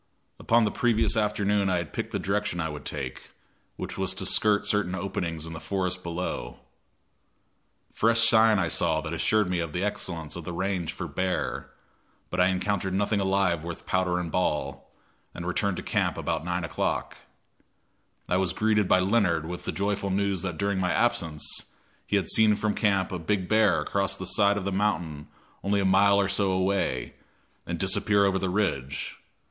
Upon the previous afternoon I had picked the direction I would take, which was to skirt certain openings in the forest below. Fresh sign I saw that assured me of the excellence of the range for bear, but I encountered nothing alive worth powder and ball, and returned to camp about 9 o'clock. I was greeted by Leonard with the joyful news that during my absence he had seen from camp a big bear cross the side of the mountain only a mile or so away, and disappear over the ridge.